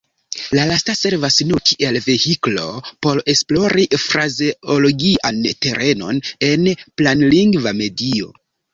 La lasta servas nur kiel vehiklo por esplori frazeologian terenon en planlingva medio.